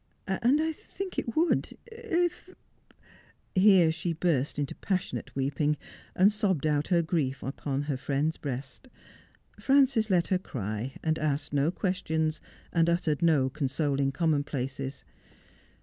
' And I think it would — if — if ' Here she burst into passionate weeping, and sobbed out her grief upon her friend's breast. Frances let her cry, and asked no questions, and uttered no consoling commonplaces.